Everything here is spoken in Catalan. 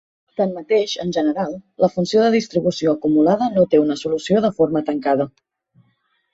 Tanmateix, en general, la funció de distribució acumulada no té una solució de forma tancada.